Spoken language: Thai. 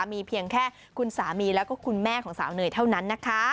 มีเพียงแค่คุณสามีแล้วก็คุณแม่ของสาวเนยเท่านั้นนะคะ